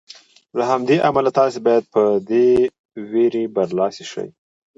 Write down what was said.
او له همدې امله تاسې باید په دې وېرې برلاسي شئ.